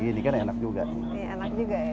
ini kan enak juga ini enak juga ya